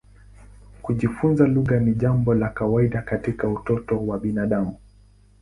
Kujifunza lugha ni jambo la kawaida katika utoto wa binadamu.